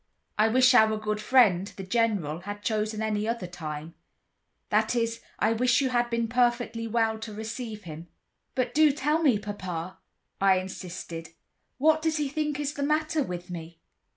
"I wish our good friend, the General, had chosen any other time; that is, I wish you had been perfectly well to receive him." "But do tell me, papa," I insisted, "what does he think is the matter with me?"